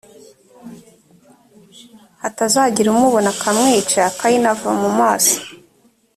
hatazagira umubona akamwica m kayini ava mu maso